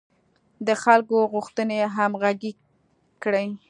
د خلکو غوښتنې همغږې کړي.